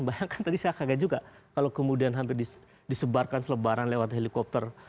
bayangkan tadi saya kagak juga kalau kemudian hampir disebarkan selebaran lewat helikopter